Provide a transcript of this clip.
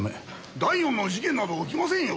第４の事件など起きませんよ。